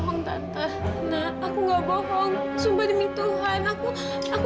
kita rumah gak ke bo inte wa luar biasa